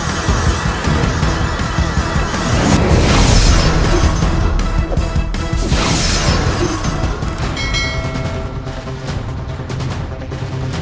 sekarang berhenti bersikap sedih